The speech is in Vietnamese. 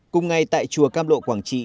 cùng ngay tại chùa cam lộ quảng trị